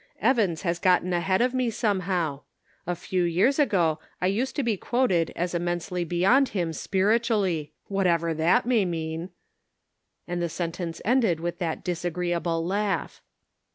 Evans has gotten ahead of me, somehow ; a few years ago I used to be quoted as immensely beyond him ' spiritualty,' what ever that may mean," and the sentence ended with that disagreeable laugh.